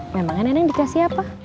memang enak dikasih apa